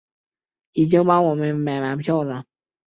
已经帮我们买完票了